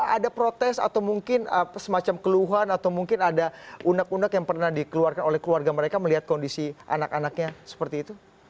ada protes atau mungkin semacam keluhan atau mungkin ada undak undak yang pernah dikeluarkan oleh keluarga mereka melihat kondisi anak anaknya seperti itu